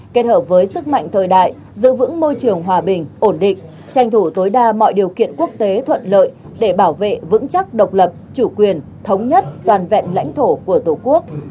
kết hợp với sức mạnh thời đại giữ vững môi trường hòa bình ổn định tranh thủ tối đa mọi điều kiện quốc tế thuận lợi để bảo vệ vững chắc độc lập chủ quyền thống nhất toàn vẹn lãnh thổ của tổ quốc